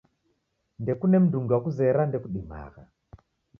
Ndekuna mndungi wakuzera ndekudimagha